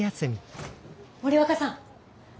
森若さん。